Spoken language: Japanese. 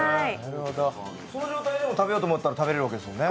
その状態でも食べようと思ったら食べれるわけですね？